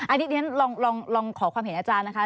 อันนี้เรียนลองขอความเห็นอาจารย์นะคะ